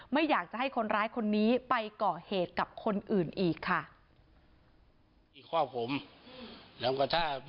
ไม่อยากจะให้คนร้ายคนนี้ไปก่อเหตุกับคนอื่นอีกค่ะ